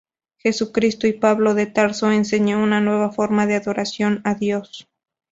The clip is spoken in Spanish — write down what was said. Jesucristo y Pablo de Tarso enseñó una nueva forma de adoración a Dios.